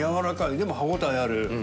でも歯応えある。